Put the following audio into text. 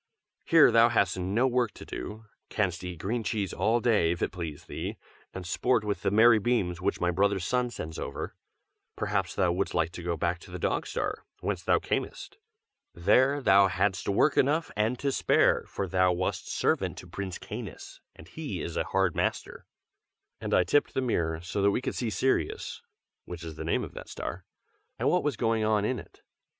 here thou hast no work to do; canst eat green cheese all day, if it please thee, and sport with the merry beams which my brother Sun sends over. Perhaps thou wouldst like to go back to the Dog Star, whence thou camest. There thou hadst work enough and to spare, for thou wast servant to Prince Canis, and he is a hard master." And I tipped the mirror, so that we could see Sirius (which is the name of that star,) and what was going on in it.